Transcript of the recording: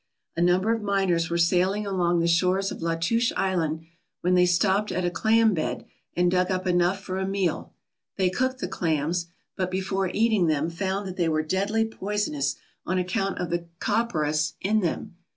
A number of miners were sailing along the shores of Latouche Island when they stopped at a clam bed and dug up enough for a meal. They cooked the clams, but before eating 293 ALASKA OUR NORTHERN WONDERLAND them found that they were deadly poisonous on account of the copperas in them.